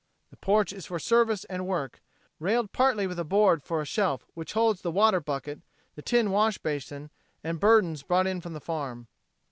The porch is for service and work, railed partly with a board for a shelf, which holds the water bucket, the tin wash basin and burdens brought in from the farm.